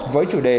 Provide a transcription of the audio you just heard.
với chủ đề